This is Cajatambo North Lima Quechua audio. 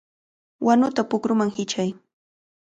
¡Wanuta pukruman hichay!